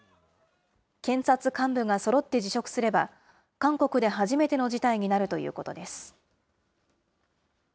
検察幹部がそろって辞職すれば、韓国で初めての事態になるということです。